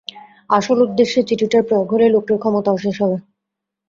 আসল উদ্দেশ্যে চিঠিটার প্রয়োগ হলেই লোকটির ক্ষমতাও শেষ হবে।